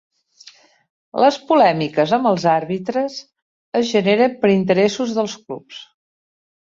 Les polèmiques amb els àrbitres es generen per interessos dels clubs.